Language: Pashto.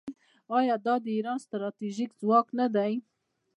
آیا دا د ایران ستراتیژیک ځواک نه دی؟